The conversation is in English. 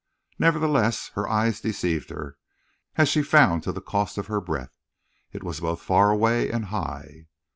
Nevertheless, her eyes deceived her, as she found to the cost of her breath. It was both far away and high.